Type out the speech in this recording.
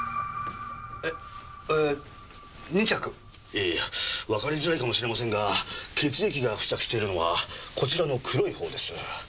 いやいやわかりづらいかもしれませんが血液が付着しているのはこちらの黒いほうです。